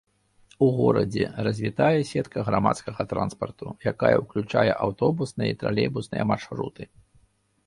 У горадзе развітая сетка грамадскага транспарту, якая ўключае аўтобусная і тралейбусныя маршруты.